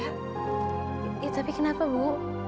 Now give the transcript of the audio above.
ya tapi kenapa bu